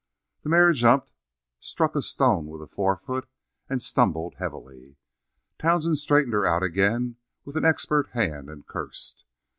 The mare jumped, struck a stone with a fore foot, and stumbled heavily. Townsend straightened her out again with an expert hand and cursed.